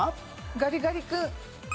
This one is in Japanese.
ガリガリ君。